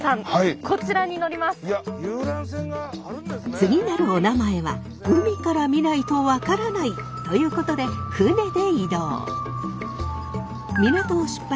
次なるお名前は海から見ないと分からない！ということで船で移動。